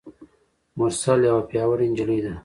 مرسل یوه پیاوړي نجلۍ ده.